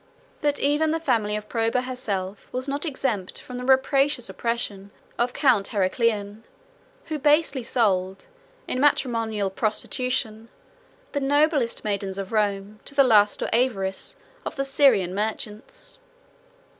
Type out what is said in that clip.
But even the family of Proba herself was not exempt from the rapacious oppression of Count Heraclian, who basely sold, in matrimonial prostitution, the noblest maidens of Rome to the lust or avarice of the Syrian merchants.